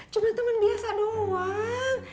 cuma temen biasa doang